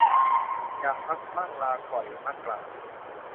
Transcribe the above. อยากพักมั่ง ลาก่อยมกรา